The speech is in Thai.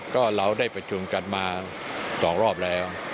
ก็เราได้ประชุมกันมา๒รอบแล้ว